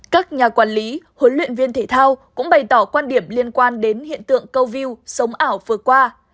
các nhà quản lý huấn luyện viên thể thao cũng bày tỏ quan điểm liên quan đến hiện tượng câu view ảo vừa qua